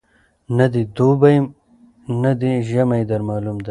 نه دي دوبی نه دي ژمی در معلوم دی